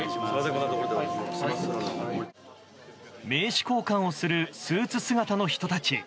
名刺交換をするスーツ姿の人たち。